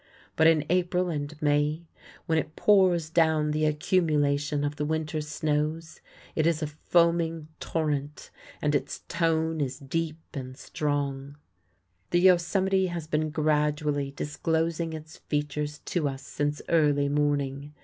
But in April and May, when it pours down the accumulation of the winter snows, it is a foaming torrent, and its tone is deep and strong. The Yosemite has been gradually disclosing its features to us since early morning.